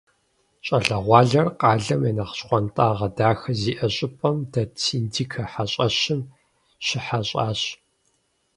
Щӏалэгъуалэр къалэм я нэхъ щхъуантӏагъэ дахэ зиӏэ щӏыпӏэм дэт «Синдикэ» хьэщӏэщым щыхьэщӏащ.